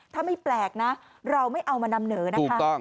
ถ้าไม่แปลกนะเราไม่เอามานำเหนอนะคะ